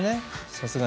さすがに。